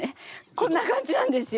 こんな感じなんですよ。